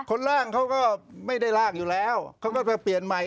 ร่างเขาก็ไม่ได้ล่างอยู่แล้วเขาก็ไปเปลี่ยนใหม่